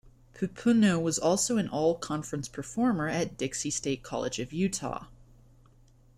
Pupunu was also an All-Conference performer at Dixie State College of Utah.